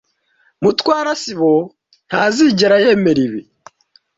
Mutwara sibo ntazigera yemera ibi.